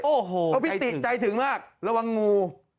โอ้โหใจถึงใจถึงมากระวังงู